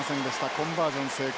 コンバージョン成功。